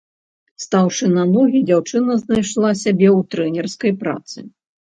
Стаўшы на ногі, дзяўчына знайшла сябе ў трэнерскай працы.